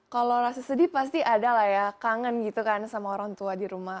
kalau rasa sedih pasti ada lah ya kangen gitu kan sama orang tua di rumah